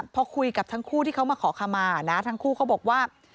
พอคุยกับทั้งคู่ที่เขามาขอคำมานะทั้งคู่เขาบอกว่า